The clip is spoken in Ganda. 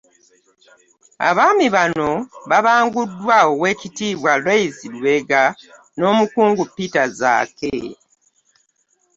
Abaami bano babanguddwa Oweekitiibwa Luis Lubega n'Omukungu Peter Zaake